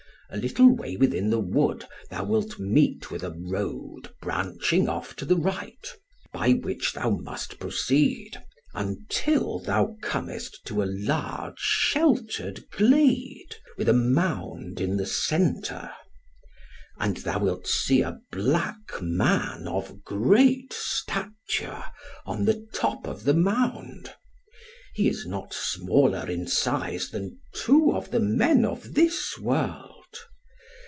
A little way within the wood, thou wilt meet with a road, branching off to the right; by which thou must proceed, until thou comest to a large sheltered glade, with a mound in the centre. And thou wilt see a black man of great stature, on the top of the mound; he is not smaller in size than two of the men of this world.